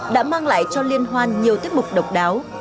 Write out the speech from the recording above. đã mang lại cho liên hoan nhiều tiết mục độc đáo